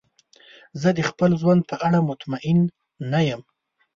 زه د خپل ژوند په اړه مطمئن نه یم.